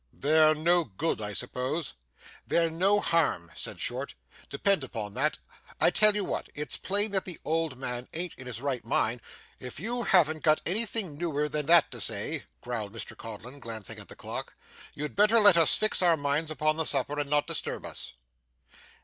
'They're no good, I suppose.' 'They're no harm,' said Short. 'Depend upon that. I tell you what it's plain that the old man an't in his right mind ' 'If you haven't got anything newer than that to say,' growled Mr Codlin, glancing at the clock, 'you'd better let us fix our minds upon the supper, and not disturb us.